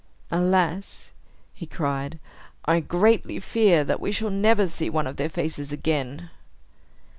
"Alas!" he cried, "I greatly fear that we shall never see one of their faces again."